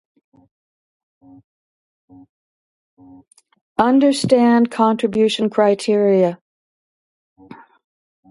"Iroha karuta", a traditional card game, is still sold as an educational toy.